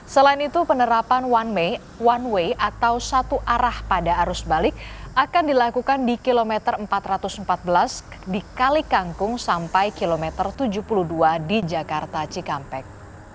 selain itu penerapan one way atau satu arah pada arus balik akan dilakukan di kilometer empat ratus empat belas di kalikangkung sampai kilometer tujuh puluh dua di jakarta cikampek